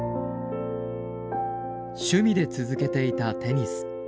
趣味で続けていたテニス。